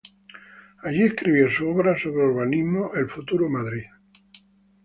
Allí escribió su obra sobre urbanismo "El Futuro Madrid".